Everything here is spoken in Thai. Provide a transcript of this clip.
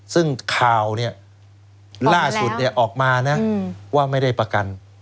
ซึ่งข่าวเนี่ยล่าสุดออกมานะว่าไม่ได้ประกัน